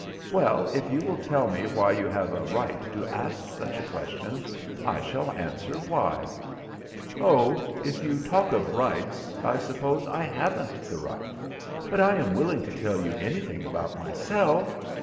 Well, if you will tell me why you have the right to ask such a question, I shall answer why." "Oh, if you talk of rights, I suppose I haven't the right. But I am willing to tell you anything about myself.